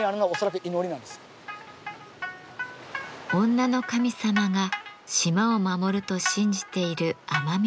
女の神様が島を守ると信じている奄美大島の人々。